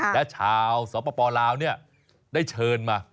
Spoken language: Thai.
และชาวสปลาวได้เชิญมา